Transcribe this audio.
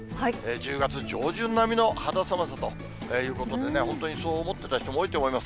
１０月上旬並みの肌寒さということでね、本当にそう思ってた人も多いと思います。